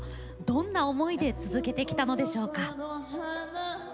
どんな思いで続けてきたのでしょうか。